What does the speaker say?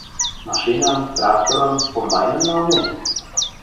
Машинам, тракторым, комбайным налнем!